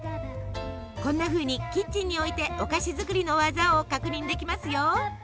こんなふうにキッチンに置いてお菓子作りの技を確認できますよ。